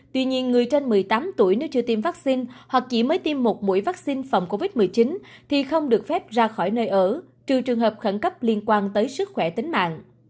tuy nhiên người trên một mươi tám tuổi nếu chưa tiêm vaccine hoặc chỉ mới tiêm một mũi vaccine phòng covid một mươi chín thì không được phép ra khỏi nơi ở trừ trường hợp khẩn cấp liên quan tới sức khỏe tính mạng